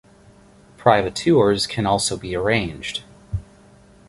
Private tours can also be arranged.